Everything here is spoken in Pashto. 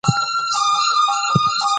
ته تش په پوله راته کېنه!